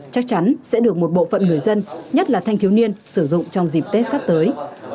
chắc chắn sẽ được một bộ phận người dân nhất là thanh thiếu niên sử dụng trong dịp tết sắp tới